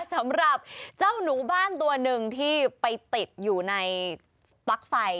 สำหรับเจ้าหนูบ้านตัวหนึ่งที่ไปติดอยู่ในปลั๊กไฟ